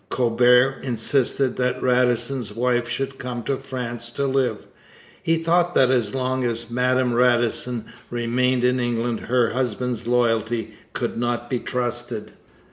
Colbert insisted that Radisson's wife should come to France to live. He thought that as long as Madame Radisson remained in England her husband's loyalty could not be trusted.